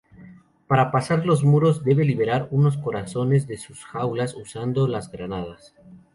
Para pasar los muros, debe liberar unos corazones de sus jaulas, usando las granadas.